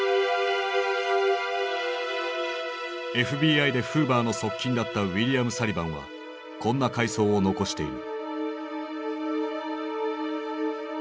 ＦＢＩでフーバーの側近だったウィリアム・サリバンはこんな回想を残している。